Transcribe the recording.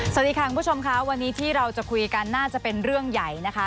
สวัสดีค่ะคุณผู้ชมค่ะวันนี้ที่เราจะคุยกันน่าจะเป็นเรื่องใหญ่นะคะ